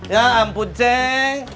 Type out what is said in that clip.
ya ampun ceng